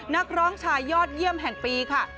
นักร้องชายยอดเยี่ยมแห่งปีค่ะ